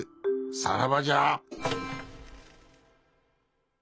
さらばじゃ。